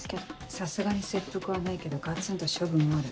さすがに切腹はないけどガツンと処分はある。